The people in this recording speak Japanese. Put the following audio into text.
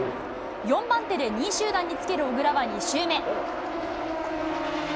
４番手で２位集団につける小椋は２周目。